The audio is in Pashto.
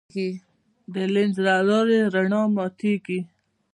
د لینز له لارې رڼا ماتېږي.